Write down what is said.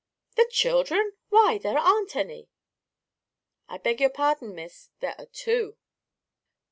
"The children! Why, there aren't any." "I beg your pardon, Miss; there are two."